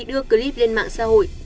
đưa clip lên mạng xã hội